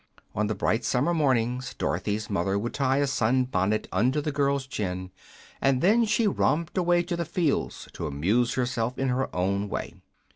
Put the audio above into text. On the bright summer mornings Dorothy's mother would tie a sun bonnet under the girl's chin, and then she romped away to the fields to amuse herself in her own way.